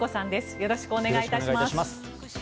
よろしくお願いします。